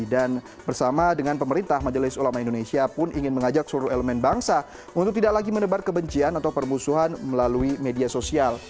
dan bersama dengan pemerintah majelis ulama indonesia pun ingin mengajak seluruh elemen bangsa untuk tidak lagi menebar kebencian atau permusuhan melalui media sosial